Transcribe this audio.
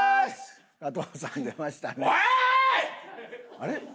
あれ？